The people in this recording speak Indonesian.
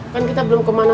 kan kita belum kemana mana